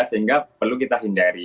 sehingga perlu kita hindari